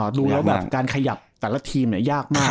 รู้แล้วการขยับแต่ละทีมเนี่ยยากมาก